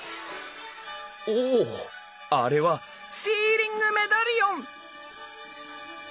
おあれはシーリングメダリオン！